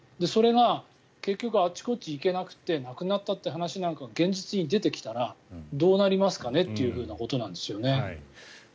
それが結局、あちこち行けなくて亡くなったって話が現実に出てきたらどうなりますかねということなんですよね。